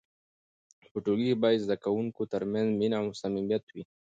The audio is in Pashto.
په ټولګي کې باید د زده کوونکو ترمنځ مینه او صمیمیت وي.